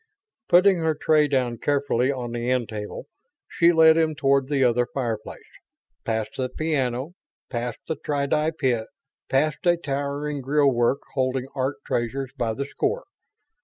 Putting her tray down carefully on the end table, she led him toward the other fireplace. Past the piano, past the tri di pit; past a towering grillwork holding art treasures by the score.